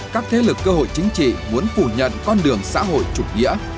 các thế lực cơ hội chính trị muốn phủ nhận con đường xã hội chủ nghĩa